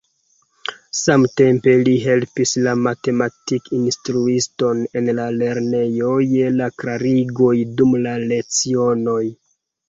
Samtempe li helpis la matematik-instruiston en la lernejo je la klarigoj dum la lecionoj.